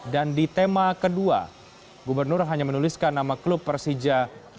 dan di tema kedua gubernur hanya menuliskan nama klub persija